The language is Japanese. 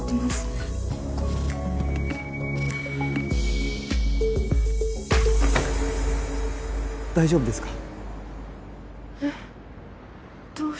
あ大丈夫ですか？